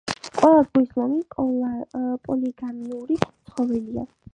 ყველა ზღვის ლომი პოლიგამიური ცხოველია.